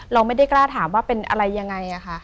เราไม่ได้กล้าถามว่าเป็นอะไรยังไงค่ะ